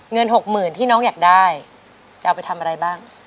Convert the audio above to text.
หกหมื่นที่น้องอยากได้จะเอาไปทำอะไรบ้าง